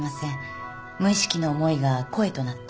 無意識の思いが声となって。